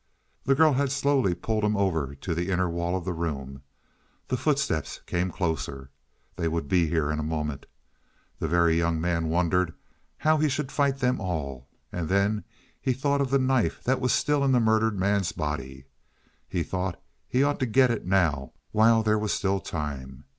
The girl had slowly pulled him over to the inner wall of the room. The footsteps came closer. They would be here in a moment. The Very Young Man wondered how he should fight them all; then he thought of the knife that was still in the murdered man's body. He thought he ought to get it now while there was still time.